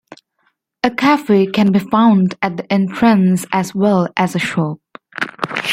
A cafe can be found at the entrance as well as a shop.